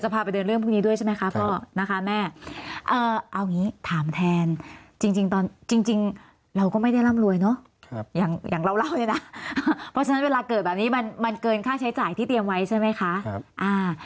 เพราะฉะนั้นเวลาเกิดแบบนี้มันเกินค่าใช้จ่ายที่เตรียมไว้ใช่ไหมคะครับ